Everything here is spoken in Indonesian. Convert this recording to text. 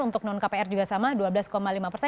untuk non kpr juga sama dua belas lima persen